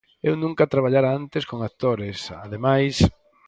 Eu nunca traballara antes con actores, ademais.